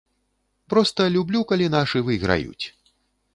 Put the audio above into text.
Проста люблю, калі нашы выйграюць.